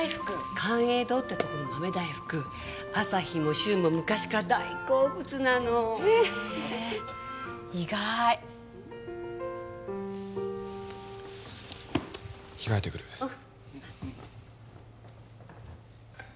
寛永堂ってとこの豆大福旭も柊も昔から大好物なのへえ意外着替えてくるうん